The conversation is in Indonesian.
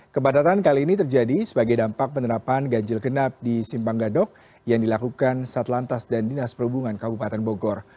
kepadatan kali ini terjadi sebagai dampak penerapan ganjil genap di simpang gadok yang dilakukan satlantas dan dinas perhubungan kabupaten bogor